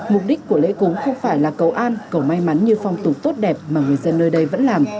mục đích của lễ cúng không phải là cầu an cầu may mắn như phong tục tốt đẹp mà người dân nơi đây vẫn làm